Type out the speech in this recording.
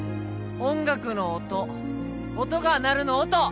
音楽の音音が鳴るの音！